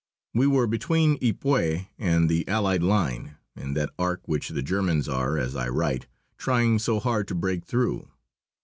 We were between Ypres and the Allied line, in that arc which the Germans are, as I write, trying so hard to break through.